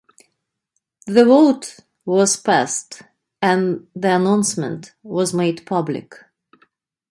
The vote was passed and the announcement was made public.